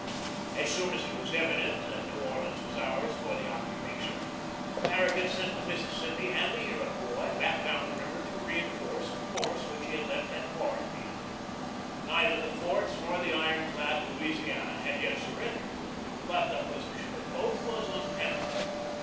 As soon as it was evident that New Orleans was ours for the occupation, Farragut sent the Mississippi and the Iroquois back down the river to reinforce the force which he had left at quarantine. Neither the forts nor the iron clad Louisiana had yet surren dered. But the position of both was untenable.